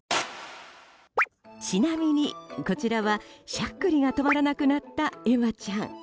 ちなみに、こちらはしゃっくりが止まらなくなったエマちゃん。